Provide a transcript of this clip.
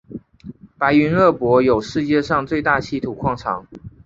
白云鄂博有世界上最大稀土矿藏。